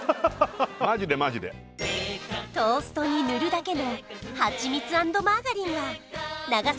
マジでマジでトーストに塗るだけのはちみつ＆マーガリンは長坂